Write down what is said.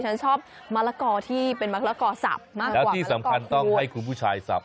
ฉันชอบมะละกอที่เป็นมะละกอสับมากแล้วที่สำคัญต้องให้คุณผู้ชายสับ